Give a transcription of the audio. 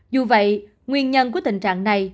dù vậy nguyên nhân của tình trạng này